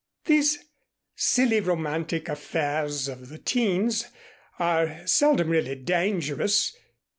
These silly romantic affairs of the teens are seldom really dangerous.